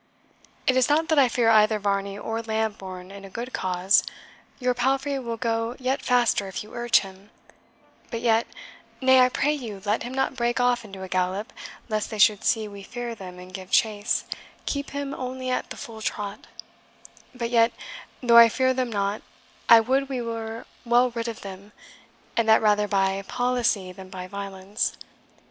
It is not that I fear either Varney or Lambourne in a good cause (your palfrey will go yet faster if you urge him) but yet (nay, I pray you let him not break off into a gallop, lest they should see we fear them, and give chase keep him only at the full trot) but yet, though I fear them not, I would we were well rid of them, and that rather by policy than by violence.